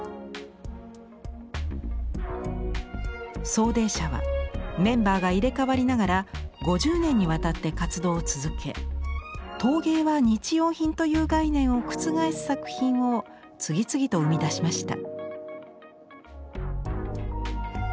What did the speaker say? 「走泥社」はメンバーが入れ代わりながら５０年にわたって活動を続け陶芸は日用品という概念を覆す作品を次々と生み出しました。